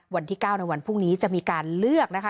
วันที่๙ในวันพรุ่งนี้จะมีการเลือกนะคะ